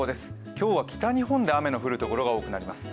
今日は北日本で雨の降る所が多くなりそうです。